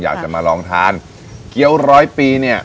อยากจะมาลองทานเกี้ยวร้อยปีเนี่ย